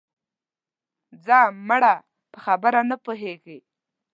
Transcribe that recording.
ځه مړه په خبره نه پوهېږې